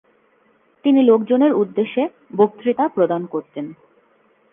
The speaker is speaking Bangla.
তিনি লোকজনের উদ্দেশে বক্তৃতা প্রদান করতেন।